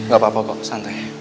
gak apa apa kok santai